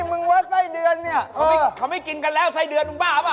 มาซื้อไส้เดือน